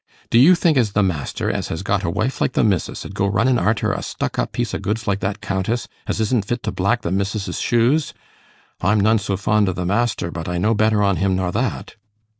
Do you think as the master, as has got a wife like the missis, 'ud go running arter a stuck up piece o' goods like that Countess, as isn't fit to black the missis's shoes? I'm none so fond o' the master, but I know better on him nor that.